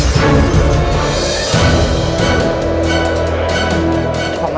terima kasih pak ma